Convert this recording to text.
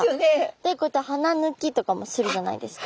でこうやって鼻抜きとかもするじゃないですか。